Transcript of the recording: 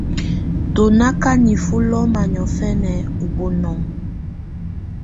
Tù nà kà nifuǝ́ lɔma niɔ̀fɛna ù bunɔnɔ.